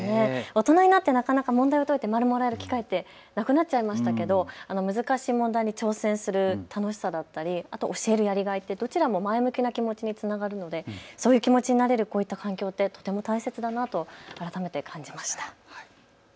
大人になってなかなか問題を解いて丸をもらえる機会ってなくなっちゃいましたけど難しい問題に挑戦する楽しさだったり、あとを教えるやりがいってどちらも前向きな気持ちにつながるのでこういった気持ちになる環境ってとても大切だなと改めて感じました。